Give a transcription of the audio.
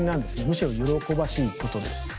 むしろ喜ばしいことです。